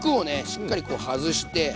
しっかりこう外して。